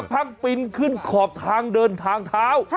ทั้งปีนขึ้นขอบทางเดินทางเท้า